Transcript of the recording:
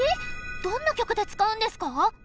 どんな曲で使うんですか？